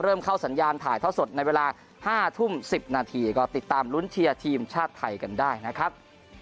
เริ่มเข้าสัญญาณถ่ายท่อสดในเวลา๕ทุ่ม๑๐นาทีก็ติดตามลุ้นเชียร์ทีมชาติไทยกันได้นะครับ